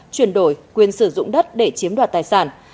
chuyển đổi quyền sử dụng đất để chiếm đoạt tài sản